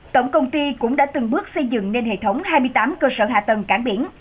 tổng công ty cũng đã từng bước xây dựng nên hệ thống hai mươi tám cơ sở hạ tầng cảng biển